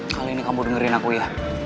kali ini kamu dengerin aku ya